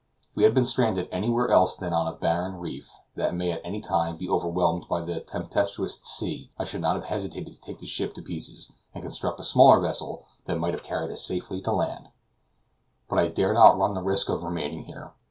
If we had been stranded anywhere else than on a barren reef, that may at any time be overwhelmed by a tempestuous sea, I should not have hesitated to take the ship to pieces, and construct a smaller vessel that might have carried us safely to land; but I dare not run the risk of remaining here.